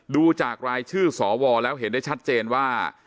ดูจากรายชื่อสวแล้วเห็นได้ชัดเจนว่า